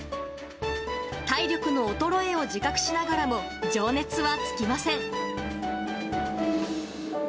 体力の衰えを自覚しながらも、情熱は尽きません。